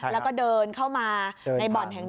แล้วก็เดินเข้ามาในบ่อนแห่ง๑